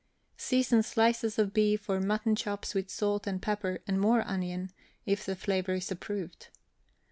Season slices of beef or mutton chops with salt and pepper, and more onion, if the flavor is approved.